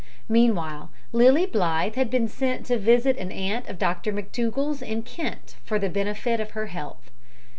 Meanwhile Lilly Blythe had been sent to visit an aunt of Dr McTougall's in Kent for the benefit of her health.